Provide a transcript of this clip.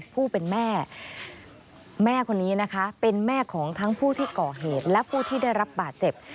ผู้เป็นแม่แม่คนนี้นะคะเป็นแม่ของทั้งผู้ที่ก่อเหตุและผู้ที่ได้รับบาดเจ็บ